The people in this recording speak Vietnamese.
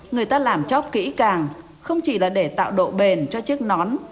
người ta làm chóp kỹ càng không chỉ là để tạo độ bền cho chiếc nón